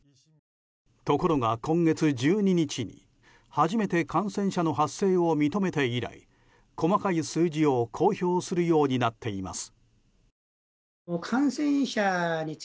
ところが今月１２日に初めて感染者の発生を認めて以来、細かい数字を公表するようになっています。